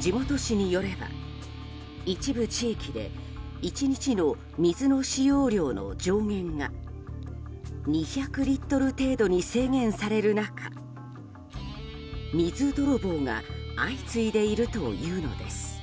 地元紙によれば一部地域で１日の水の使用量の上限が、２００リットル程度に制限される中水泥棒が相次いでいるというのです。